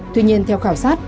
tuy nhiên theo khảo sát